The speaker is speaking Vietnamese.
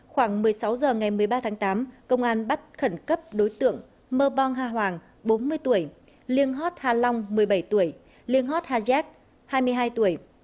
khoảng một mươi sáu h ngày một mươi ba tháng tám công an bắt khẩn cấp đối tượng mơ bông hà hoàng bốn mươi tuổi liên hót hà long một mươi bảy tuổi liên hót hà giác hai mươi hai tuổi